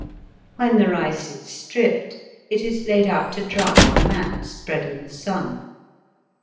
When the rice is stripped, it is laid out to dry on mats spread in the sun.